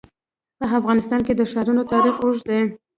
په افغانستان کې د ښارونه تاریخ اوږد دی.